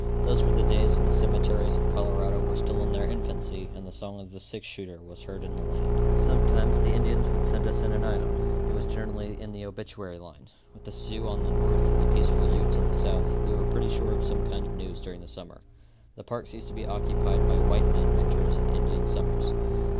Those were the days when the cemeteries of Colorado were still in their infancy and the song of the six shooter was heard in the land. Sometimes the Indians would send us in an item. It was generally in the obituary line. With the Sioux on the north and the peaceful Utes on the south, we were pretty sure of some kind of news during the summer. The parks used to be occupied by white men winters and Indians summers.